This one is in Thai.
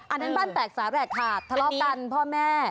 อันนั้นบ้านแตกสาแหลกขาดทะเลาะกันพ่อแม่